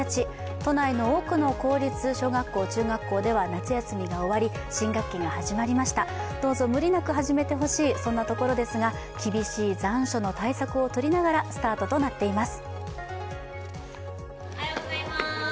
都内の多くの公立の中学校・小学校では、夏休みが終わり新学期が始まりましたが、どうぞ無理なく始めてほしい、そんなところですが、厳しい残暑の対策をとりながらスタートとなっています。